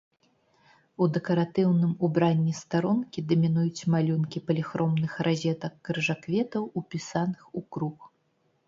У дэкаратыўным убранні старонкі дамінуюць малюнкі паліхромных разетак-крыжакветаў, упісаных у круг.